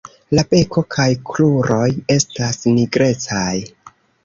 La beko kaj kruroj estas nigrecaj.